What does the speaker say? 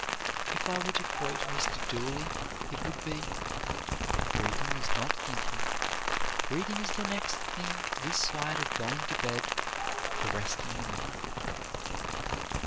If I were to quote Mr. Dooley, it would be: "Reading is not thinking; reading is the next thing this side of going to bed for resting the mind."